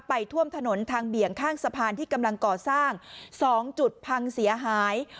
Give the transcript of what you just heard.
ท่วมถนนทางเบี่ยงข้างสะพานที่กำลังก่อสร้าง๒จุดพังเสียหาย